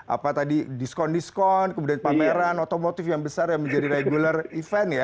apa tadi diskon diskon kemudian pameran otomotif yang besar yang menjadi regular event ya